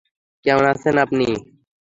কেমন আছেন আপনি?